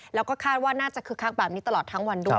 แล้วก็คาดว่าน่าจะคึกคักแบบนี้ตลอดทั้งวันด้วย